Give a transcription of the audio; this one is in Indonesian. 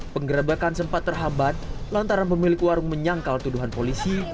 penggrebekan sempat terhabat lantaran pemilik warung menyangkal tuduhan polisi